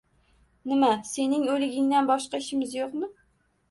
Nima, sening... o‘ligingdan boshqa ishimiz yo‘qmi?